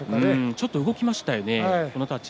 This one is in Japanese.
ちょっと動きましたね。